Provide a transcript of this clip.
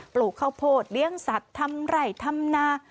ลูกข้าวโพดเลี้ยงสัตว์ทำไร่ทำนา